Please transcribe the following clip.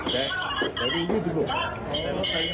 แต่แต่ต้องอยู่ที่ตรงนี้